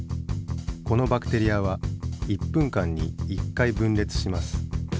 このバクテリアは１分間に１回分れつします。